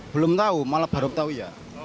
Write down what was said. belum tahu malah baru tahu ya